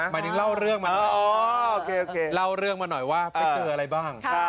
หมายถึงเล่าเรื่องมาหน่อยว่าไปเกินอะไรบ้าง